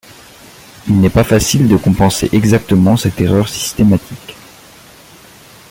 Il n'est pas facile de compenser exactement cette erreur systématique.